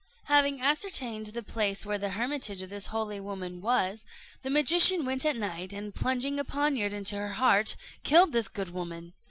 Having ascertained the place where the hermitage of this holy woman was, the magician went at night, and, plunging a poniard into her heart, killed this good woman.